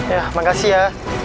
ya makasih ya